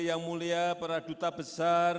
yang mulia peraduta besar